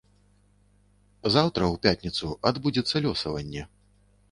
Заўтра, у пятніцу, адбудзецца лёсаванне.